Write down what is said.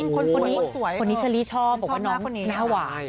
คนนี้คนนี้เทลลี่ชอบเพราะว่าน้องไง้พระไว